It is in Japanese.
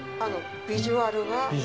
ビジュアルが。